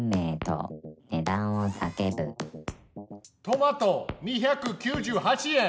トマト２９８円。